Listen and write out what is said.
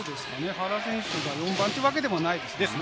原選手が４番というわけでもないですね。